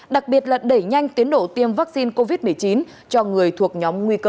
đặc biệt là đẩy nhanh tiến độ tiêm vaccine covid một mươi chín cho người thuộc nhóm nguy cơ